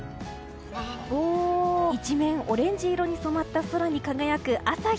一面、オレンジ色に染まった空に輝く朝日。